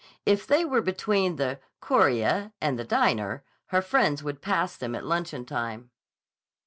If they were between the "Chorea" and the diner, her friends would pass them at luncheon time.